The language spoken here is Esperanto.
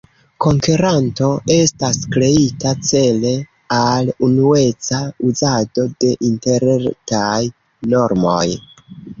Konkeranto estas kreita cele al unueca uzado de Interretaj normoj.